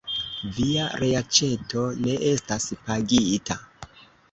Via reaĉeto ne estas pagita.